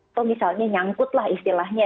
atau misalnya nyangkutlah istilahnya